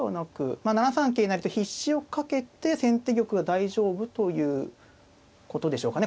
まあ７三桂成と必至をかけて先手玉は大丈夫ということでしょうかね